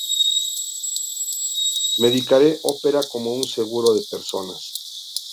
Medicare opera como un seguro de personas.